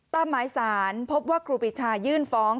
ตามหมายสารพบว่าครูปีชายื่นฟ้อง